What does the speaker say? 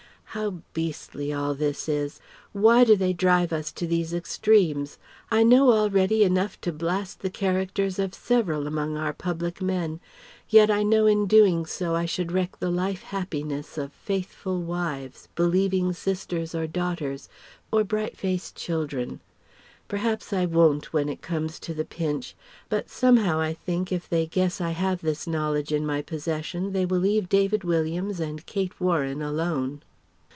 How beastly all this is! Why do they drive us to these extremes? I know already enough to blast the characters of several among our public men. Yet I know in so doing I should wreck the life happiness of faithful wives, believing sisters or daughters, or bright faced children. Perhaps I won't, when it comes to the pinch. But somehow, I think, if they guess I have this knowledge in my possession, they will leave David Williams and Kate Warren alone.